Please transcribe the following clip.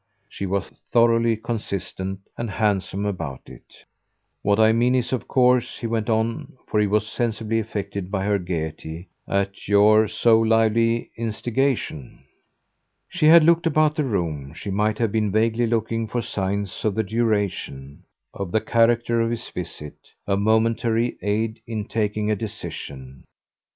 She was thoroughly consistent and handsome about it. "What I mean is of course," he went on for he was sensibly affected by her gaiety "at your so lively instigation." She had looked about the room she might have been vaguely looking for signs of the duration, of the character of his visit, a momentary aid in taking a decision.